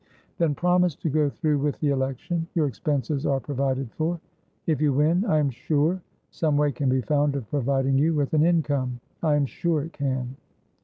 "Then promise to go through with the election. Your expenses are provided for. If you win, I am sure some way can be found of providing you with an incomeI am sure it can!"